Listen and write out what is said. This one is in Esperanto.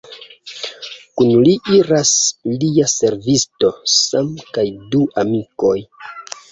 Kun li iras lia servisto Sam kaj du amikoj.